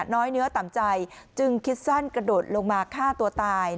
น้อยเนื้อต่ำใจจึงคิดสั้นกระโดดลงมาฆ่าตัวตาย